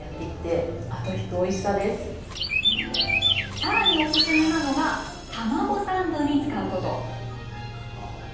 さらにおすすめなのが卵サンドに使うこと。